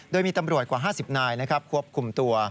โดยมีตำรวจกว่า๕๐นายควบคุมตัว